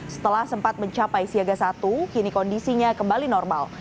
setelah sempat mencapai siaga satu kini kondisinya kembali normal